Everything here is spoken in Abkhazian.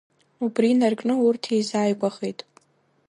Убри инаркны урҭ еизааигәахеит.